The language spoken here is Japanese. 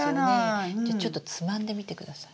じゃちょっとつまんでみてください。